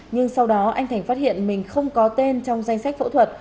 nhưng sau đó anh thành phát hiện mình không có tên trong danh sách phẫu thuật